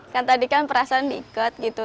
kan tadi kan perasaan diikat gitu